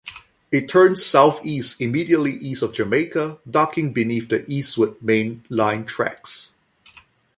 It turns southeast immediately east of Jamaica, ducking beneath the eastward Main Line tracks.